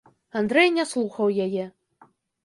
Андрэй не слухаў яе.